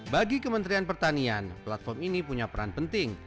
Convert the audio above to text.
bagi kementerian pertanian platform ini punya peran penting